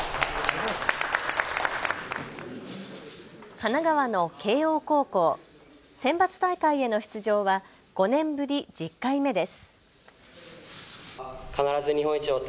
神奈川の慶応高校センバツ大会への出場は５年ぶり１０回目です。